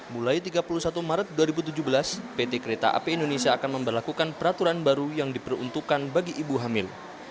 mulai tiga puluh satu maret dua ribu tujuh belas pt kereta api indonesia akan memperlakukan peraturan baru yang diperuntukkan bagi ibu hamil